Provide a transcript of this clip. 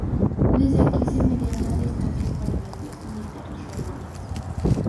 Desde aquí se medían las distancias para las vías militares romanas.